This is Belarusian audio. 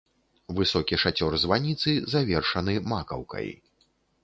Высокі шацёр званіцы завершаны макаўкай.